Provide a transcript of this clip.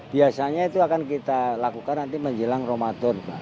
biasanya itu akan kita lakukan nanti menjelang ramadan